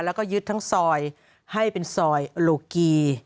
แล้วก็ยึดทั้งซอยให้เป็นซอยโลกี